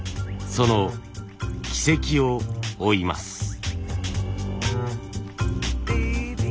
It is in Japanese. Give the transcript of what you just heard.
その軌跡を追います。